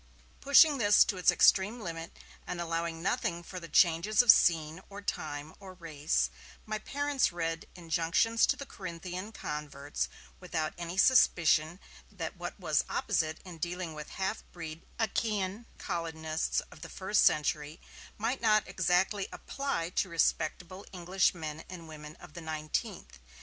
Pushing this to its extreme limit, and allowing nothing for the changes of scene or time or race, my parents read injunctions to the Corinthian converts without any suspicion that what was apposite in dealing with half breed Achaian colonists of the first century might not exactly apply to respectable English men and women of the nineteenth.